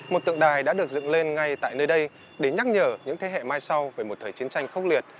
một tượng đài đã được dựng lên ngay tại nơi đây để nhắc nhở những thế hệ mai sau về một thời chiến tranh khốc liệt